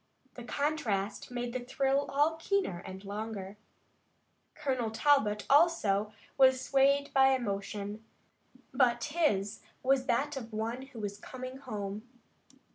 The contrast made the thrill all the keener and longer. Colonel Talbot, also, was swayed by emotion, but his was that of one who was coming home.